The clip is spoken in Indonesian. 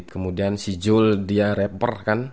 kemudian si jul dia rapper kan